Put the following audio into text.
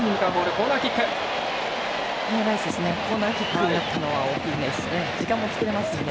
コーナーキックになったのは大きいですね。